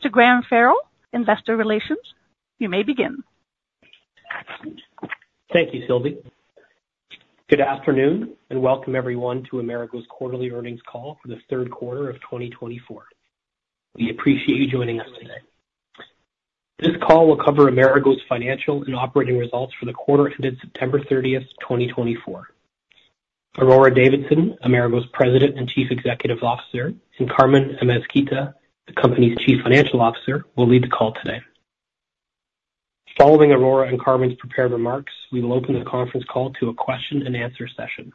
Thank you. Mr. Graham Farrell, Investor Relations, you may begin. Thank you, Sylvie. Good afternoon, and welcome everyone to Amerigo's Quarterly Earnings Call for the Third Quarter of 2024. We appreciate you joining us today. This call will cover Amerigo's financial and operating results for the quarter ended September 30, 2024. Aurora Davidson, Amerigo's President and Chief Executive Officer, and Carmen Amezquita, the company's Chief Financial Officer, will lead the call today. Following Aurora and Carmen's prepared remarks, we will open the conference call to a question-and-answer session.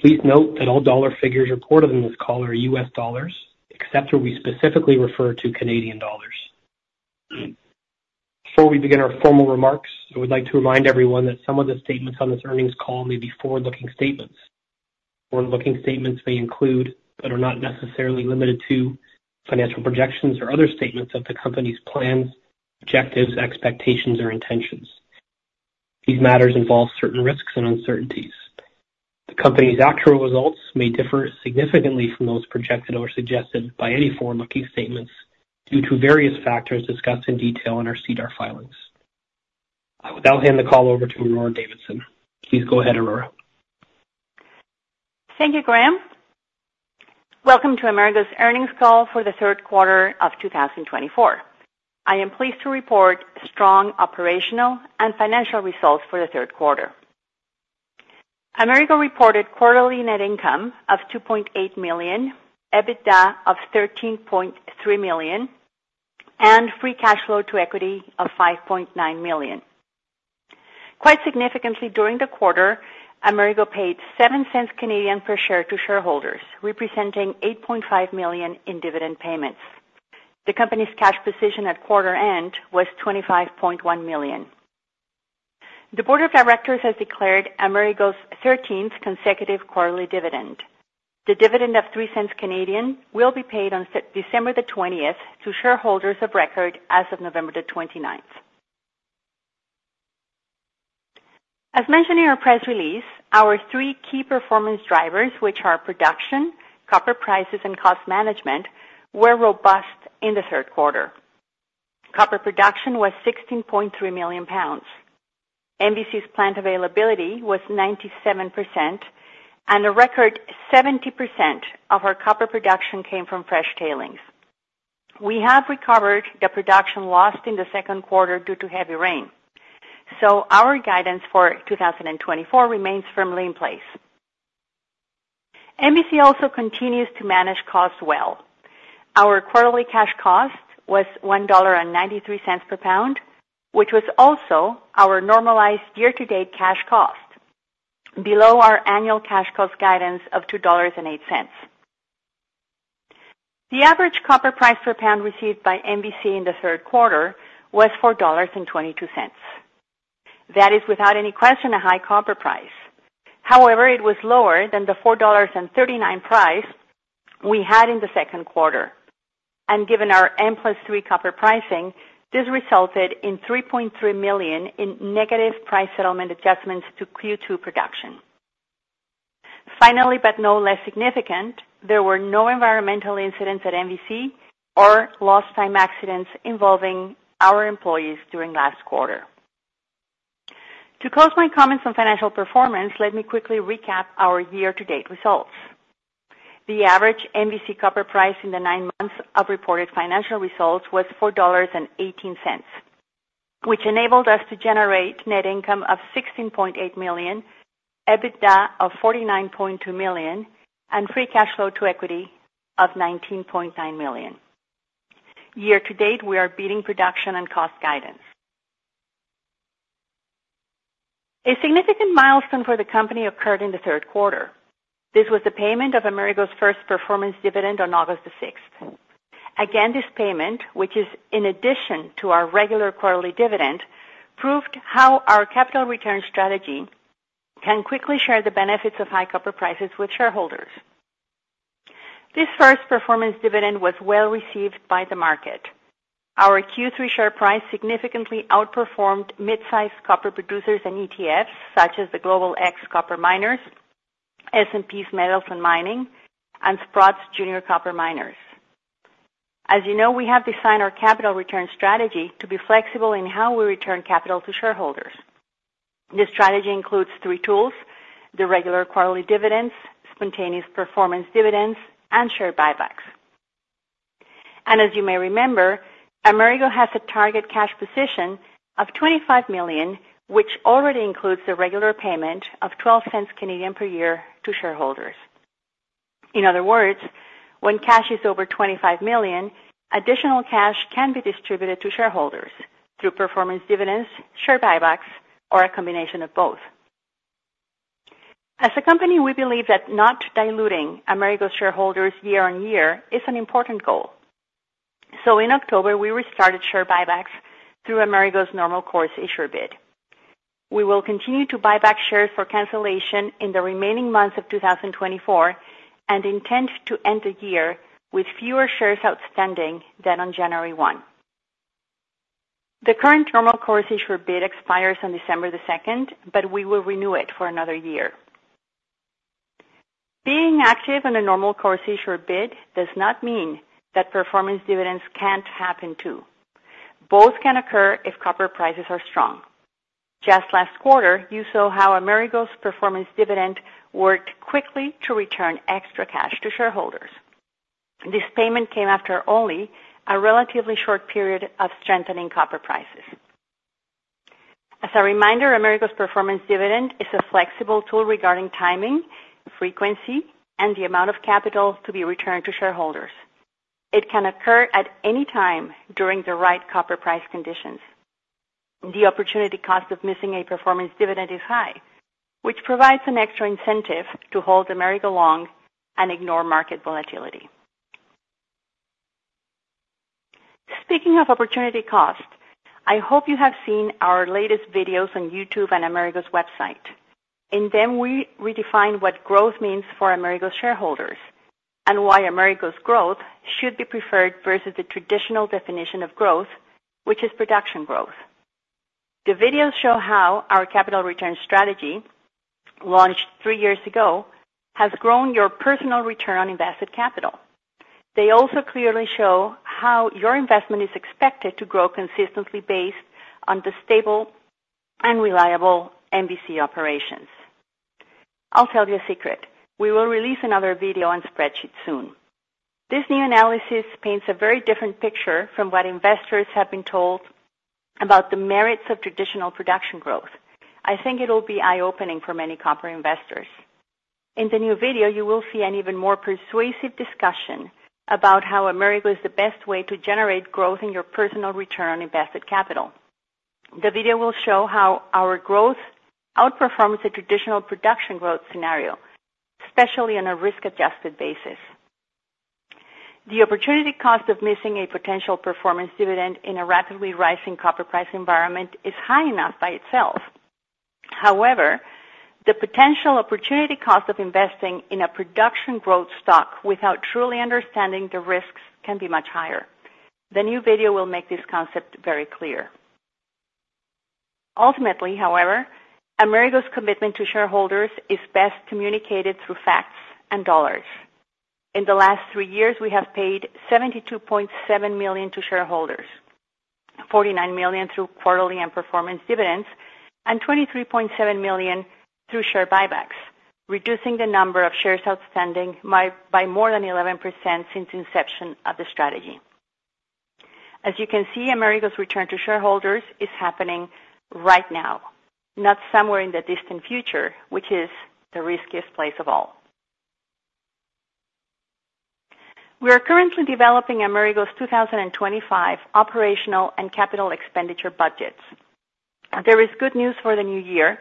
Please note that all dollar figures reported in this call are U.S. dollars, except where we specifically refer to Canadian dollars. Before we begin our formal remarks, I would like to remind everyone that some of the statements on this earnings call may be forward-looking statements. Forward-looking statements may include, but are not necessarily limited to, financial projections or other statements of the company's plans, objectives, expectations, or intentions. These matters involve certain risks and uncertainties. The company's actual results may differ significantly from those projected or suggested by any forward-looking statements due to various factors discussed in detail in our SEDAR+ filings. I will now hand the call over to Aurora Davidson. Please go ahead, Aurora. Thank you, Graham. Welcome to Amerigo's earnings call for the third quarter of 2024. I am pleased to report strong operational and financial results for the third quarter. Amerigo reported quarterly net income of $2.8 million, EBITDA of $13.3 million, and free cash flow to equity of $5.9 million. Quite significantly, during the quarter, Amerigo paid 0.07 per share to shareholders, representing $8.5 million in dividend payments. The company's cash position at quarter end was $25.1 million. The Board of Directors has declared Amerigo's 13th consecutive quarterly dividend. The dividend of 0.03 will be paid on December 20 to shareholders of record as of November 29. As mentioned in our press release, our three key performance drivers, which are production, copper prices, and cost management, were robust in the third quarter. Copper production was 16.3 million pounds. MVC's plant availability was 97%, and a record 70% of our copper production came from fresh tailings. We have recovered the production lost in the second quarter due to heavy rain, so our guidance for 2024 remains firmly in place. MVC also continues to manage costs well. Our quarterly cash cost was $1.93 per pound, which was also our normalized year-to-date cash cost, below our annual cash cost guidance of $2.08. The average copper price per pound received by MVC in the third quarter was $4.22. That is, without any question, a high copper price. However, it was lower than the $4.39 price we had in the second quarter, and given our M+3 copper pricing, this resulted in $3.3 million in negative price settlement adjustments to Q2 production. Finally, but no less significant, there were no environmental incidents at MVC or lost-time accidents involving our employees during last quarter. To close my comments on financial performance, let me quickly recap our year-to-date results. The average MVC copper price in the nine months of reported financial results was $4.18, which enabled us to generate net income of $16.8 million, EBITDA of $49.2 million, and free cash flow to equity of $19.9 million. Year-to-date, we are beating production and cost guidance. A significant milestone for the company occurred in the third quarter. This was the payment of Amerigo's first performance dividend on August 6. Again, this payment, which is in addition to our regular quarterly dividend, proved how our capital return strategy can quickly share the benefits of high copper prices with shareholders. This first performance dividend was well received by the market. Our Q3 share price significantly outperformed mid-sized copper producers and ETFs, such as the Global X Copper Miners, S&P's Metals and Mining, and Sprott's Junior Copper Miners. As you know, we have designed our capital return strategy to be flexible in how we return capital to shareholders. This strategy includes three tools: the regular quarterly dividends, spontaneous performance dividends, and share buybacks. And as you may remember, Amerigo has a target cash position of $25 million, which already includes the regular payment of 0.12 per year to shareholders. In other words, when cash is over $25 million, additional cash can be distributed to shareholders through performance dividends, share buybacks, or a combination of both. As a company, we believe that not diluting Amerigo's shareholders year on year is an important goal. So, in October, we restarted share buybacks through Amerigo's Normal Course Issuer Bid. We will continue to buy back shares for cancellation in the remaining months of 2024 and intend to end the year with fewer shares outstanding than on January 1. The current Normal Course Issuer Bid expires on December 2, but we will renew it for another year. Being active on a Normal Course Issuer Bid does not mean that performance dividends can't happen too. Both can occur if copper prices are strong. Just last quarter, you saw how Amerigo's performance dividend worked quickly to return extra cash to shareholders. This payment came after only a relatively short period of strengthening copper prices. As a reminder, Amerigo's performance dividend is a flexible tool regarding timing, frequency, and the amount of capital to be returned to shareholders. It can occur at any time during the right copper price conditions. The opportunity cost of missing a performance dividend is high, which provides an extra incentive to hold Amerigo long and ignore market volatility. Speaking of opportunity cost, I hope you have seen our latest videos on YouTube and Amerigo's website. In them, we redefine what growth means for Amerigo's shareholders and why Amerigo's growth should be preferred versus the traditional definition of growth, which is production growth. The videos show how our capital return strategy, launched three years ago, has grown your personal return on invested capital. They also clearly show how your investment is expected to grow consistently based on the stable and reliable MVC operations. I'll tell you a secret: we will release another video on spreadsheets soon. This new analysis paints a very different picture from what investors have been told about the merits of traditional production growth. I think it will be eye-opening for many copper investors. In the new video, you will see an even more persuasive discussion about how Amerigo is the best way to generate growth in your personal return on invested capital. The video will show how our growth outperforms the traditional production growth scenario, especially on a risk-adjusted basis. The opportunity cost of missing a potential performance dividend in a rapidly rising copper price environment is high enough by itself. However, the potential opportunity cost of investing in a production growth stock without truly understanding the risks can be much higher. The new video will make this concept very clear. Ultimately, however, Amerigo's commitment to shareholders is best communicated through facts and dollars. In the last three years, we have paid $72.7 million to shareholders, $49 million through quarterly and performance dividends, and $23.7 million through share buybacks, reducing the number of shares outstanding by more than 11% since inception of the strategy. As you can see, Amerigo's return to shareholders is happening right now, not somewhere in the distant future, which is the riskiest place of all. We are currently developing Amerigo's 2025 operational and capital expenditure budgets. There is good news for the new year,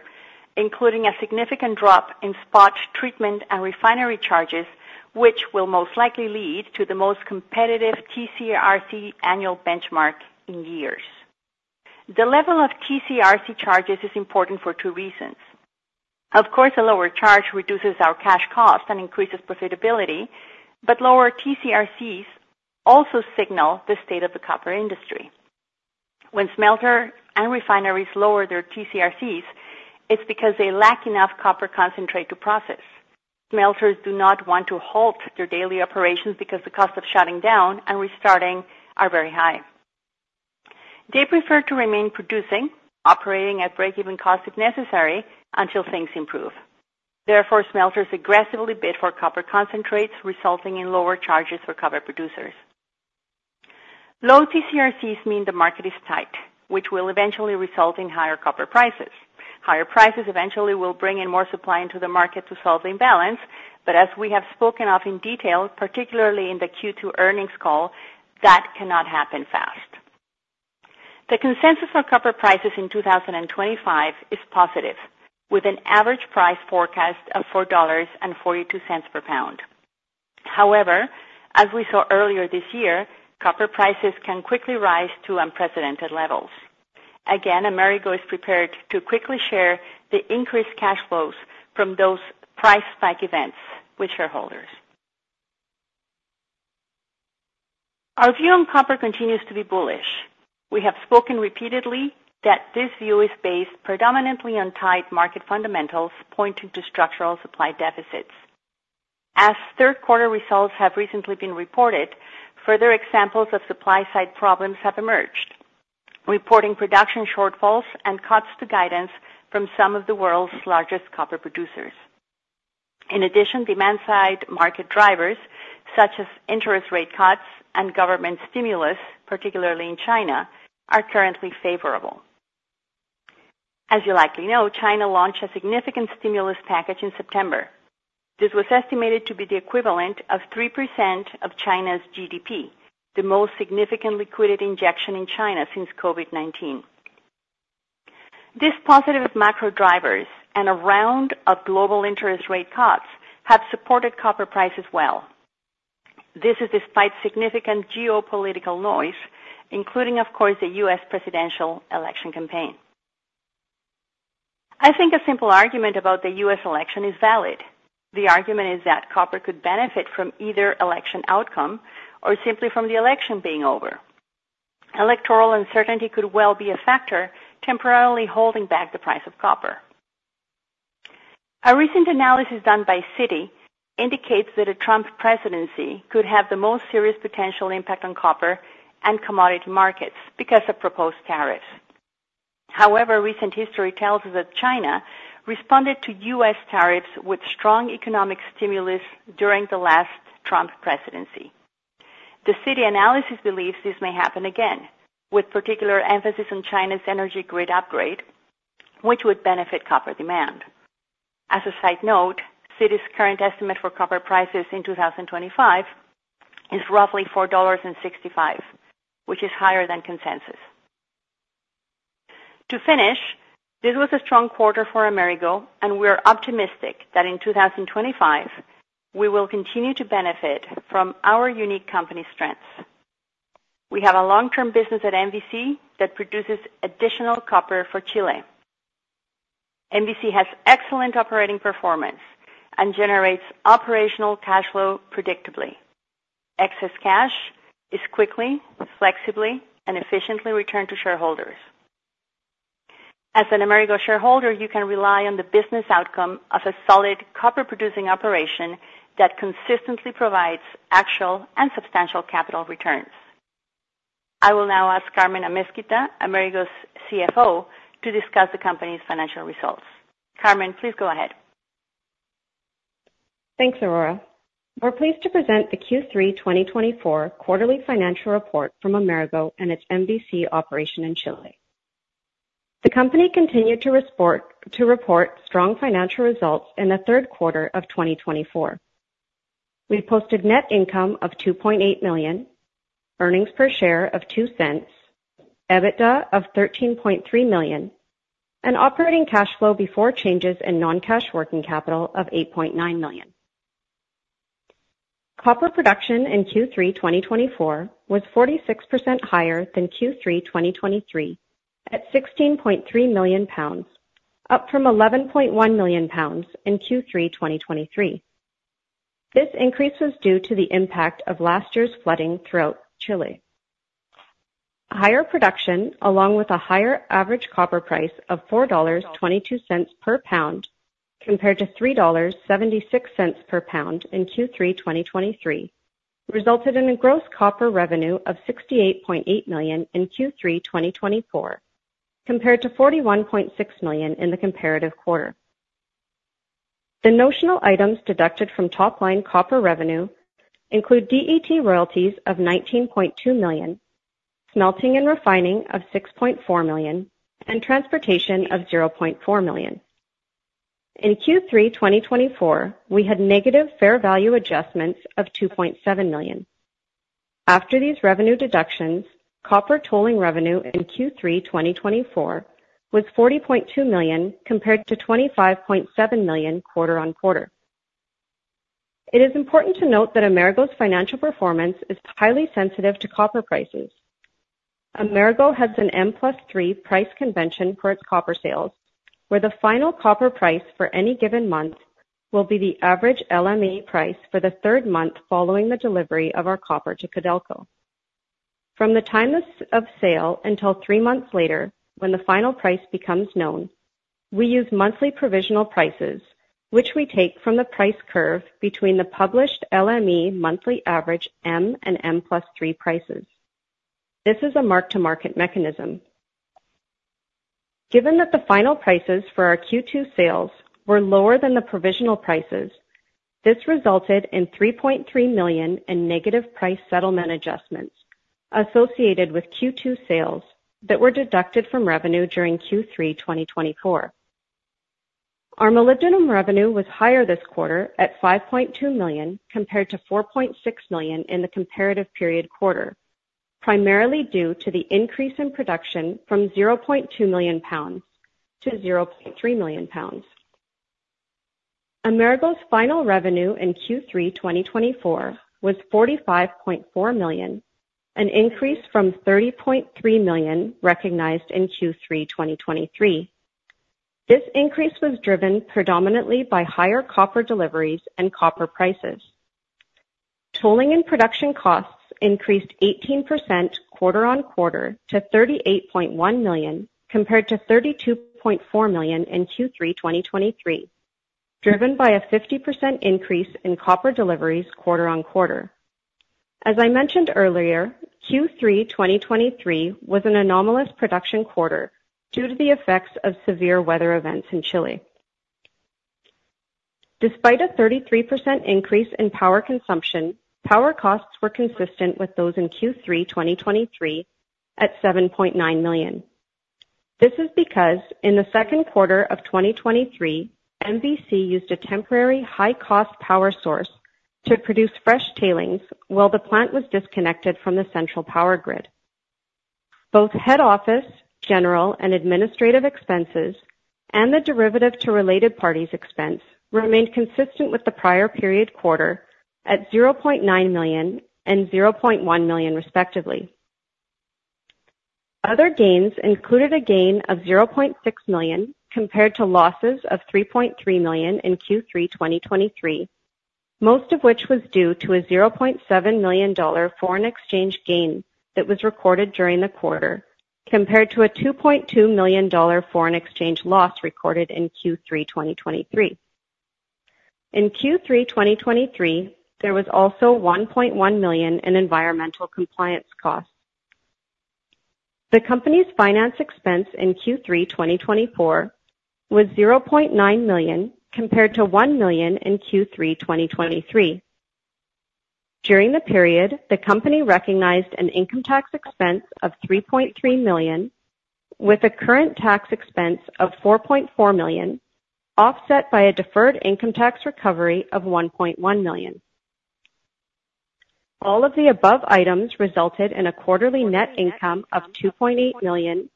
including a significant drop in spot treatment and refining charges, which will most likely lead to the most competitive TC/RC annual benchmark in years. The level of TC/RC charges is important for two reasons. Of course, a lower charge reduces our cash cost and increases profitability, but lower TC/RCs also signal the state of the copper industry. When smelters and refineries lower their TC/RCs, it's because they lack enough copper concentrate to process. Smelters do not want to halt their daily operations because the cost of shutting down and restarting are very high. They prefer to remain producing, operating at break-even cost if necessary, until things improve. Therefore, smelters aggressively bid for copper concentrates, resulting in lower charges for copper producers. Low TC/RCs mean the market is tight, which will eventually result in higher copper prices. Higher prices eventually will bring in more supply into the market to solve the imbalance, but as we have spoken of in detail, particularly in the Q2 earnings call, that cannot happen fast. The consensus on copper prices in 2025 is positive, with an average price forecast of $4.42 per pound. However, as we saw earlier this year, copper prices can quickly rise to unprecedented levels. Again, Amerigo is prepared to quickly share the increased cash flows from those price spike events with shareholders. Our view on copper continues to be bullish. We have spoken repeatedly that this view is based predominantly on tight market fundamentals pointing to structural supply deficits. As third-quarter results have recently been reported, further examples of supply-side problems have emerged, reporting production shortfalls and cuts to guidance from some of the world's largest copper producers. In addition, demand-side market drivers, such as interest rate cuts and government stimulus, particularly in China, are currently favorable. As you likely know, China launched a significant stimulus package in September. This was estimated to be the equivalent of 3% of China's GDP, the most significant liquidity injection in China since COVID-19. These positive macro drivers and a round of global interest rate cuts have supported copper prices well. This is despite significant geopolitical noise, including, of course, the U.S. presidential election campaign. I think a simple argument about the U.S. election is valid. The argument is that copper could benefit from either election outcome or simply from the election being over. Electoral uncertainty could well be a factor temporarily holding back the price of copper. A recent analysis done by Citi indicates that a Trump presidency could have the most serious potential impact on copper and commodity markets because of proposed tariffs. However, recent history tells us that China responded to U.S. tariffs with strong economic stimulus during the last Trump presidency. The Citi analysis believes this may happen again, with particular emphasis on China's energy grid upgrade, which would benefit copper demand. As a side note, Citi's current estimate for copper prices in 2025 is roughly $4.65, which is higher than consensus. To finish, this was a strong quarter for Amerigo, and we are optimistic that in 2025, we will continue to benefit from our unique company strengths. We have a long-term business at MVC that produces additional copper for Chile. MVC has excellent operating performance and generates operational cash flow predictably. Excess cash is quickly, flexibly, and efficiently returned to shareholders. As an Amerigo shareholder, you can rely on the business outcome of a solid copper-producing operation that consistently provides actual and substantial capital returns. I will now ask Carmen Amezquita, Amerigo's CFO, to discuss the company's financial results. Carmen, please go ahead. Thanks, Aurora. We're pleased to present the Q3 2024 quarterly financial report from Amerigo and its MVC operation in Chile. The company continued to report strong financial results in the third quarter of 2024. We posted net income of $2.8 million, earnings per share of $0.02, EBITDA of $13.3 million, and operating cash flow before changes in non-cash working capital of $8.9 million. Copper production in Q3 2024 was 46% higher than Q3 2023 at 16.3 million lbs, up from 11.1 million lbs in Q3 2023. This increase was due to the impact of last year's flooding throughout Chile. Higher production, along with a higher average copper price of $4.22 per pound compared to $3.76 per pound in Q3 2023, resulted in a gross copper revenue of $68.8 million in Q3 2024, compared to $41.6 million in the comparative quarter. The notional items deducted from top-line copper revenue include DET royalties of $19.2 million, smelting and refining of $6.4 million, and transportation of $0.4 million. In Q3 2024, we had negative fair value adjustments of $2.7 million. After these revenue deductions, copper tolling revenue in Q3 2024 was $40.2 million compared to $25.7 million quarter on quarter. It is important to note that Amerigo's financial performance is highly sensitive to copper prices. Amerigo has an M+3 price convention for its copper sales, where the final copper price for any given month will be the average LME price for the third month following the delivery of our copper to Codelco. From the time of sale until three months later, when the final price becomes known, we use monthly provisional prices, which we take from the price curve between the published LME monthly average M and M+3 prices. This is a mark-to-market mechanism. Given that the final prices for our Q2 sales were lower than the provisional prices, this resulted in $3.3 million in negative price settlement adjustments associated with Q2 sales that were deducted from revenue during Q3 2024. Our molybdenum revenue was higher this quarter at $5.2 million compared to $4.6 million in the comparative period quarter, primarily due to the increase in production from 0.2 million pounds to 0.3 million pounds. Amerigo's final revenue in Q3 2024 was $45.4 million, an increase from $30.3 million recognized in Q3 2023. This increase was driven predominantly by higher copper deliveries and copper prices. Tolling and production costs increased 18% quarter on quarter to $38.1 million compared to $32.4 million in Q3 2023, driven by a 50% increase in copper deliveries quarter on quarter. As I mentioned earlier, Q3 2023 was an anomalous production quarter due to the effects of severe weather events in Chile. Despite a 33% increase in power consumption, power costs were consistent with those in Q3 2023 at $7.9 million. This is because in the second quarter of 2023, MVC used a temporary high-cost power source to produce fresh tailings while the plant was disconnected from the central power grid. Both head office, general, and administrative expenses, and the dividends to related parties expense remained consistent with the prior period quarter at $0.9 million and $0.1 million, respectively. Other gains included a gain of $0.6 million compared to losses of $3.3 million in Q3 2023, most of which was due to a $0.7 million foreign exchange gain that was recorded during the quarter, compared to a $2.2 million foreign exchange loss recorded in Q3 2023. In Q3 2023, there was also $1.1 million in environmental compliance costs. The company's finance expense in Q3 2024 was $0.9 million compared to $1 million in Q3 2023. During the period, the company recognized an income tax expense of $3.3 million, with a current tax expense of $4.4 million, offset by a deferred income tax recovery of $1.1 million. All of the above items resulted in a quarterly net income of $2.8 million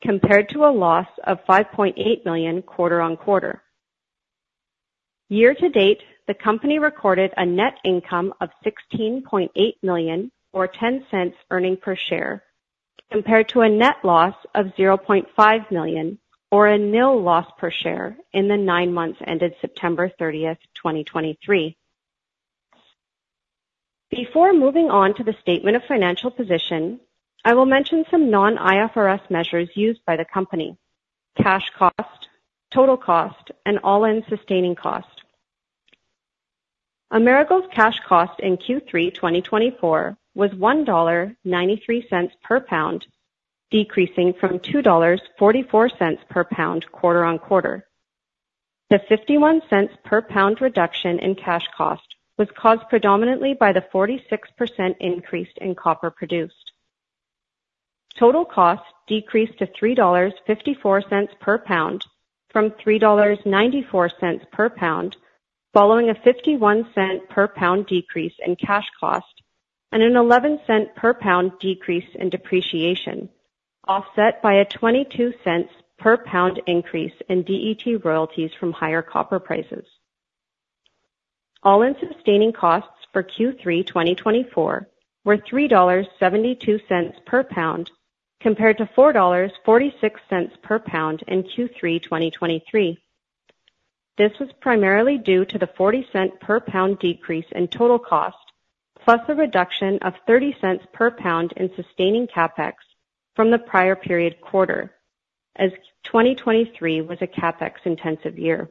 compared to a loss of $5.8 million quarter on quarter. Year to date, the company recorded a net income of $16.8 million, or $0.10 earnings per share, compared to a net loss of $0.5 million, or a nil loss per share in the nine months ended September 30, 2023. Before moving on to the statement of financial position, I will mention some non-IFRS measures used by the company: cash cost, total cost, and all-in sustaining cost. Amerigo's cash cost in Q3 2024 was $1.93 per pound, decreasing from $2.44 per pound quarter on quarter. The $0.51 per pound reduction in cash cost was caused predominantly by the 46% increase in copper produced. Total cost decreased to $3.54 per pound from $3.94 per pound, following a $0.51 per pound decrease in cash cost and an $0.11 per pound decrease in depreciation, offset by a $0.22 per pound increase in DET royalties from higher copper prices. All-in sustaining costs for Q3 2024 were $3.72 per pound compared to $4.46 per pound in Q3 2023. This was primarily due to the $0.40 per pound decrease in total cost, plus a reduction of $0.30 per pound in sustaining CapEx from the prior period quarter, as 2023 was a CapEx-intensive year.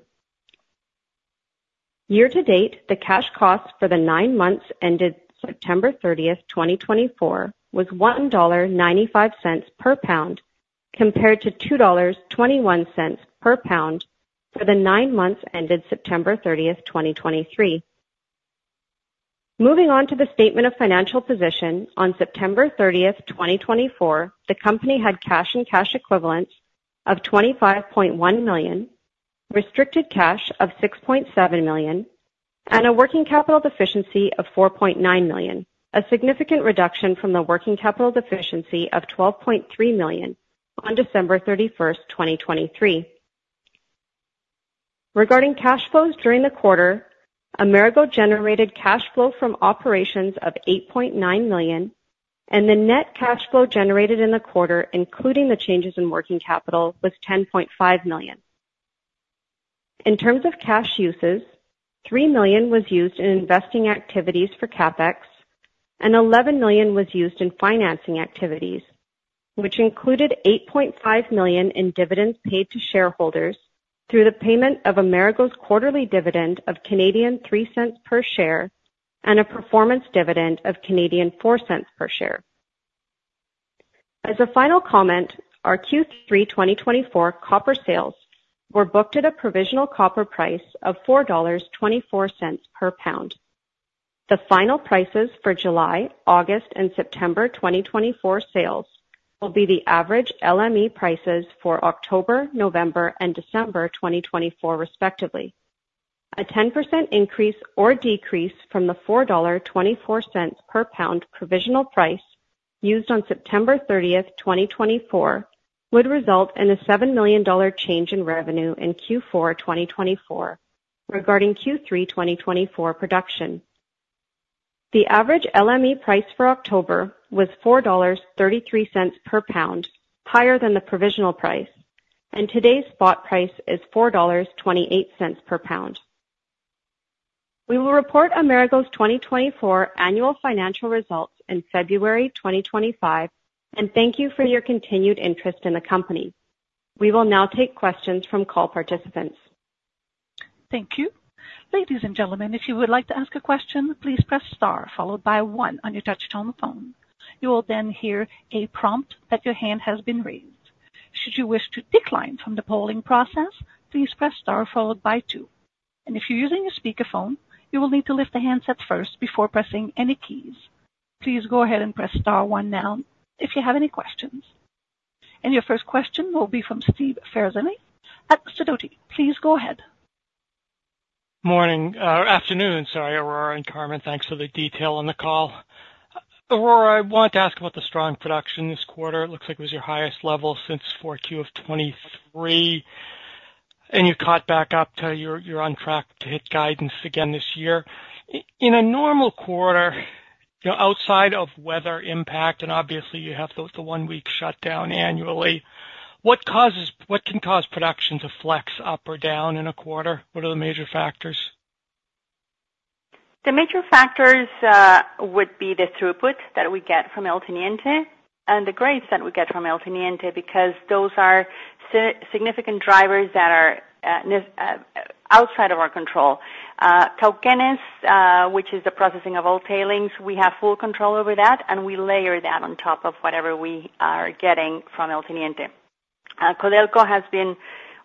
Year to date, the cash cost for the nine months ended September 30, 2024, was $1.95 per pound compared to $2.21 per pound for the nine months ended September 30, 2023. Moving on to the statement of financial position, on September 30, 2024, the company had cash and cash equivalents of $25.1 million, restricted cash of $6.7 million, and a working capital deficiency of $4.9 million, a significant reduction from the working capital deficiency of $12.3 million on December 31, 2023. Regarding cash flows during the quarter, Amerigo generated cash flow from operations of $8.9 million, and the net cash flow generated in the quarter, including the changes in working capital, was $10.5 million. In terms of cash uses, $3 million was used in investing activities for CapEx, and $11 million was used in financing activities, which included $8.5 million in dividends paid to shareholders through the payment of Amerigo's quarterly dividend of 0.03 per share and a performance dividend of 0.04 per share. As a final comment, our Q3 2024 copper sales were booked at a provisional copper price of $4.24 per pound. The final prices for July, August, and September 2024 sales will be the average LME prices for October, November, and December 2024, respectively. A 10% increase or decrease from the $4.24 per pound provisional price used on September 30, 2024, would result in a $7 million change in revenue in Q4 2024 regarding Q3 2024 production. The average LME price for October was $4.33 per pound, higher than the provisional price, and today's spot price is $4.28 per pound. We will report Amerigo's 2024 annual financial results in February 2025, and thank you for your continued interest in the company. We will now take questions from call participants. Thank you. Ladies and gentlemen, if you would like to ask a question, please press star followed by one on your touch-tone phone. You will then hear a prompt that your hand has been raised. Should you wish to decline from the polling process, please press star followed by two. And if you're using a speakerphone, you will need to lift the handsets first before pressing any keys. Please go ahead and press star one now if you have any questions, and your first question will be from Steve Ferazani at Sidoti. Please go ahead. Morning or afternoon, sorry, Aurora and Carmen. Thanks for the detail on the call. Aurora, I want to ask about the strong production this quarter. It looks like it was your highest level since 4Q of 2023, and you caught back up to you're on track to hit guidance again this year. In a normal quarter, outside of weather impact, and obviously you have the one-week shutdown annually, what can cause production to flex up or down in a quarter? What are the major factors? The major factors would be the throughput that we get from El Teniente and the grades that we get from El Teniente because those are significant drivers that are outside of our control. Cauquenes, which is the processing of all tailings, we have full control over that, and we layer that on top of whatever we are getting from El Teniente. Codelco has been,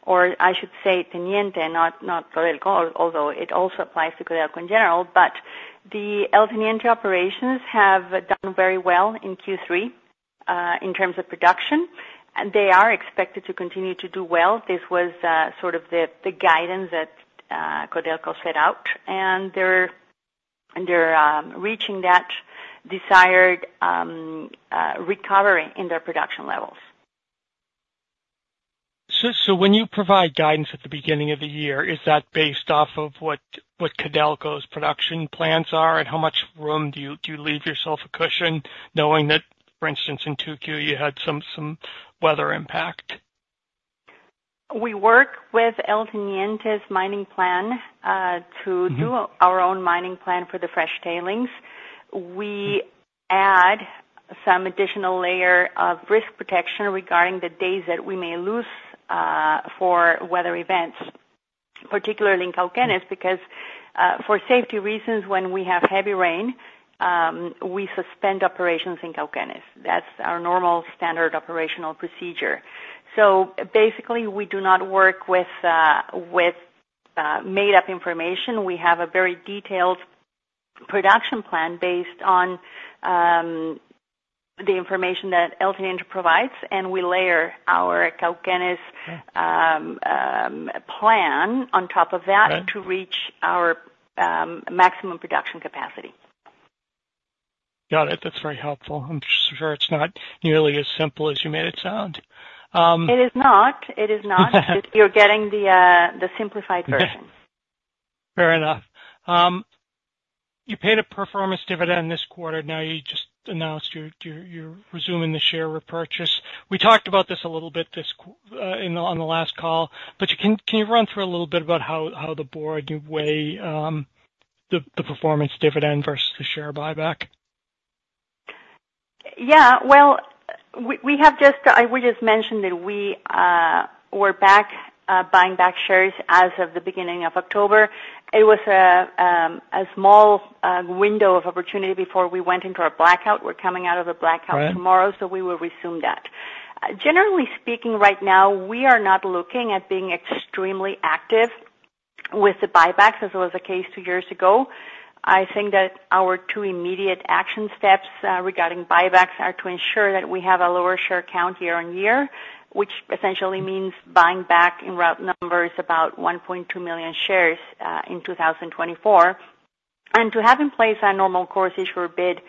or I should say Teniente, not Codelco, although it also applies to Codelco in general, but the El Teniente operations have done very well in Q3 in terms of production. They are expected to continue to do well. This was sort of the guidance that Codelco set out, and they're reaching that desired recovery in their production levels. So when you provide guidance at the beginning of the year, is that based off of what Codelco's production plans are and how much room do you leave yourself a cushion knowing that, for instance, in 2Q, you had some weather impact? We work with El Teniente's mining plan to do our own mining plan for the fresh tailings. We add some additional layer of risk protection regarding the days that we may lose for weather events, particularly in Cauquenes, because for safety reasons, when we have heavy rain, we suspend operations in Cauquenes. That's our normal standard operational procedure. So basically, we do not work with made-up information. We have a very detailed production plan based on the information that El Teniente provides, and we layer our Cauquenes plan on top of that to reach our maximum production capacity. Got it. That's very helpful. I'm sure it's not nearly as simple as you made it sound. It is not. It is not. You're getting the simplified version. Fair enough. You paid a performance dividend this quarter. Now you just announced you're resuming the share repurchase. We talked about this a little bit on the last call, but can you run through a little bit about how the board weighed the performance dividend versus the share buyback? Yeah. Well, we just mentioned that we were back buying back shares as of the beginning of October. It was a small window of opportunity before we went into our blackout. We're coming out of the blackout tomorrow, so we will resume that. Generally speaking, right now, we are not looking at being extremely active with the buybacks as it was the case two years ago. I think that our two immediate action steps regarding buybacks are to ensure that we have a lower share count year on year, which essentially means buying back in rough numbers about 1.2 million shares in 2024, and to have in place a normal course issuer bid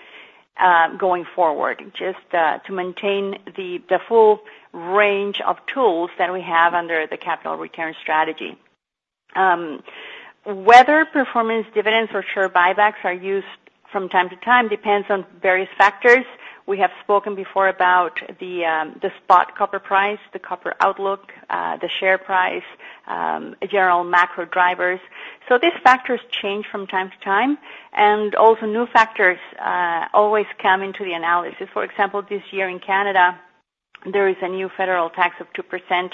going forward, just to maintain the full range of tools that we have under the capital return strategy. Whether performance dividends or share buybacks are used from time to time depends on various factors. We have spoken before about the spot copper price, the copper outlook, the share price, general macro drivers. These factors change from time to time, and also new factors always come into the analysis. For example, this year in Canada, there is a new federal tax of 2%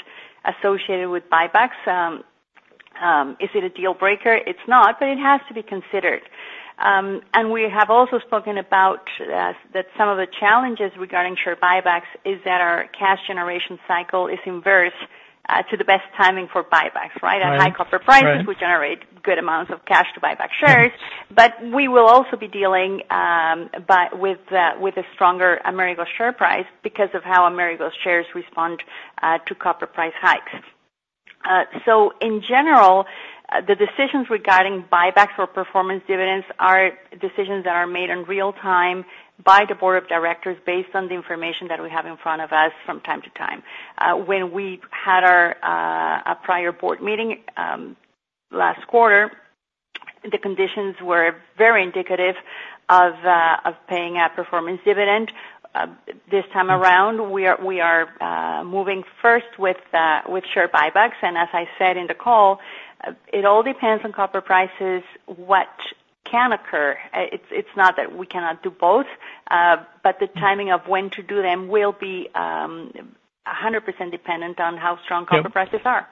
associated with buybacks. Is it a deal breaker? It's not, but it has to be considered. We have also spoken about that some of the challenges regarding share buybacks is that our cash generation cycle is inverse to the best timing for buybacks, right? At high copper prices, we generate good amounts of cash to buyback shares, but we will also be dealing with a stronger Amerigo share price because of how Amerigo's shares respond to copper price hikes. In general, the decisions regarding buybacks or performance dividends are decisions that are made in real time by the board of directors based on the information that we have in front of us from time to time. When we had our prior board meeting last quarter, the conditions were very indicative of paying a performance dividend. This time around, we are moving first with share buybacks, and as I said in the call, it all depends on copper prices, what can occur. It's not that we cannot do both, but the timing of when to do them will be 100% dependent on how strong copper prices are.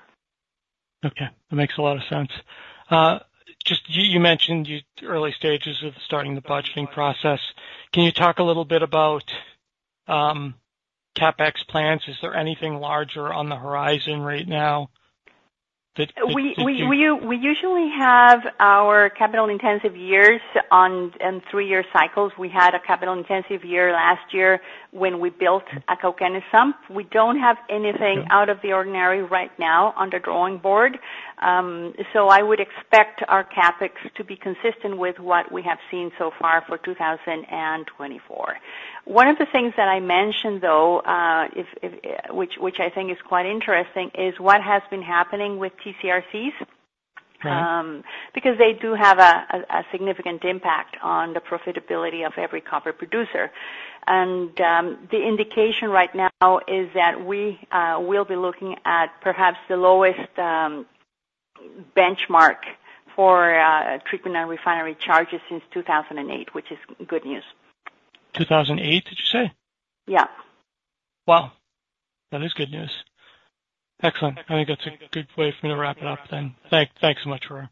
Okay. That makes a lot of sense. You just mentioned the early stages of starting the budgeting process. Can you talk a little bit about CapEx plans? Is there anything larger on the horizon right now that you see? We usually have our capital-intensive years and three-year cycles. We had a capital-intensive year last year when we built a Cauquenes sump. We don't have anything out of the ordinary right now on the drawing board. So I would expect our CapEx to be consistent with what we have seen so far for 2024. One of the things that I mentioned, though, which I think is quite interesting, is what has been happening with TC/RCs because they do have a significant impact on the profitability of every copper producer. And the indication right now is that we will be looking at perhaps the lowest benchmark for treatment and refining charges since 2008, which is good news. 2008, did you say? Yeah. Well, that is good news. Excellent. I think that's a good way for me to wrap it up then. Thanks so much, Aurora.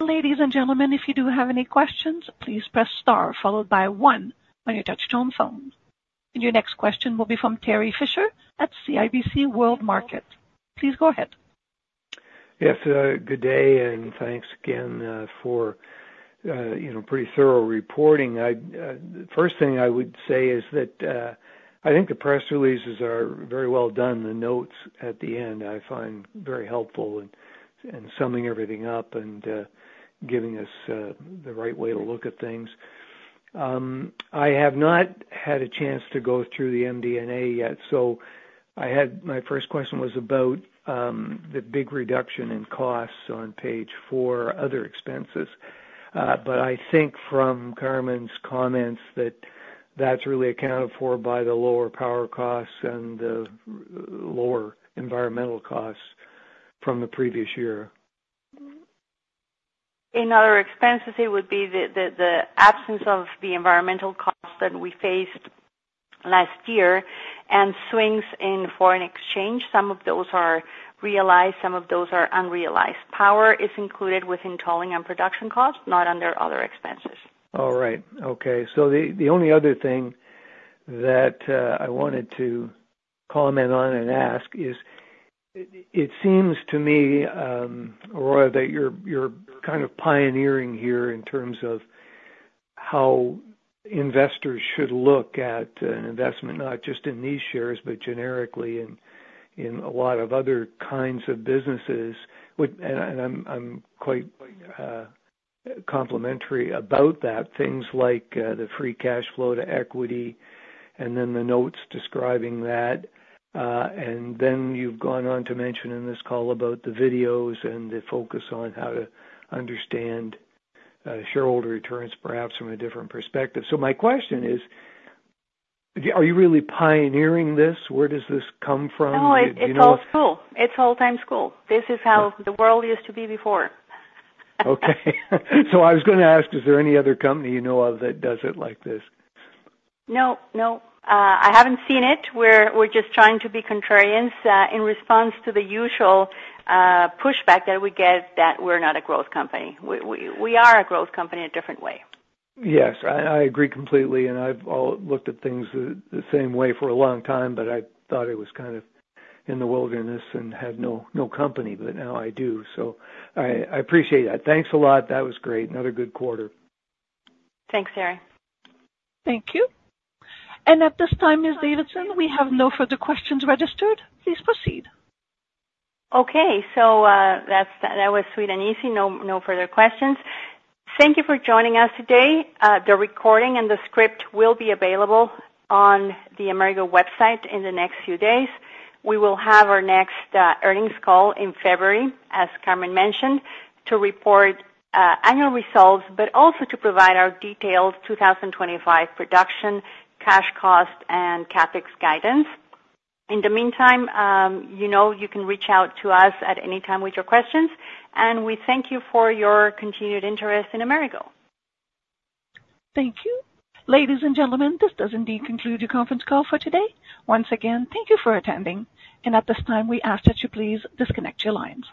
Ladies and gentlemen, if you do have any questions, please press star followed by one on your touch-tone phone. And your next question will be from Terry Fisher at CIBC World Markets. Please go ahead. Yes. Good day, and thanks again for pretty thorough reporting. The first thing I would say is that I think the press releases are very well done. The notes at the end I find very helpful in summing everything up and giving us the right way to look at things. I have not had a chance to go through the MD&A yet, so my first question was about the big reduction in costs on page four, other expenses. But I think from Carmen's comments that that's really accounted for by the lower power costs and the lower environmental costs from the previous year. In other expenses, it would be the absence of the environmental costs that we faced last year and swings in foreign exchange. Some of those are realized, some of those are unrealized. Power is included within tolling and production costs, not under other expenses. All right. Okay. So the only other thing that I wanted to comment on and ask is it seems to me, Aurora, that you're kind of pioneering here in terms of how investors should look at an investment, not just in these shares, but generically in a lot of other kinds of businesses. And I'm quite complimentary about that. Things like the free cash flow to equity and then the notes describing that. And then you've gone on to mention in this call about the videos and the focus on how to understand shareholder returns, perhaps from a different perspective. So my question is, are you really pioneering this? Where does this come from? No, it's old school. It's old school. This is how the world used to be before. Okay. So I was going to ask, is there any other company you know of that does it like this? No, no. I haven't seen it. We're just trying to be contrarians in response to the usual pushback that we get that we're not a growth company. We are a growth company in a different way. Yes. I agree completely. And I've looked at things the same way for a long time, but I thought it was kind of in the wilderness and had no company, but now I do. So I appreciate that. Thanks a lot. That was great. Another good quarter. Thanks, Terry. Thank you and at this time, Ms. Davidson, we have no further questions registered. Please proceed. Okay. So that was sweet and easy. No further questions. Thank you for joining us today. The recording and the script will be available on the Amerigo website in the next few days. We will have our next earnings call in February, as Carmen mentioned, to report annual results, but also to provide our detailed 2025 production, cash cost, and CapEx guidance. In the meantime, you know you can reach out to us at any time with your questions. We thank you for your continued interest in Amerigo. Thank you. Ladies and gentlemen, this does indeed conclude your conference call for today. Once again, thank you for attending. At this time, we ask that you please disconnect your lines.